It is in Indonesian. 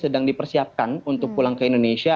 sedang dipersiapkan untuk pulang ke indonesia